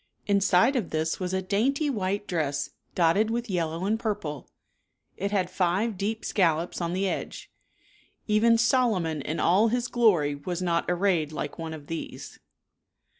Inside of this was a dainty white dress, dotted with yellow and purple. It had five deep scallops on the edge. Even " Solomon in all his glory was not arrayed like one of these."